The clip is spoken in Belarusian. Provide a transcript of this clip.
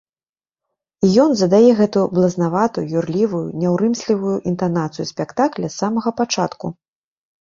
І ён задае гэтую блазнаватую, юрлівую, няўрымслівую інтанацыю спектакля з самага пачатку.